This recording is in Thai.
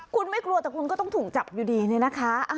คุณไม่กลัวแต่คุณก็ต้องถูกจับอยู่ดีเนี่ยนะคะ